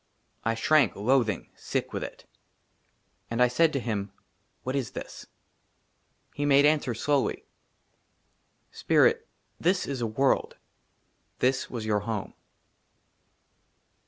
I SHRANK, LOATHING, SICK WITH IT. AND I SAID TO HIM, " WHAT IS THIS ?" HE MADE ANSWER SLOWLY, " SPIRIT, THIS IS A WORLD ;" THIS WAS YOUR HOME."